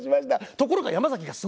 ところが山崎がすごい！